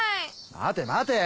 待て待て。